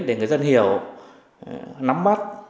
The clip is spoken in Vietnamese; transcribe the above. để người dân hiểu nắm mắt